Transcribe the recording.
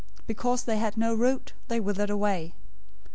Because they had no root, they withered away.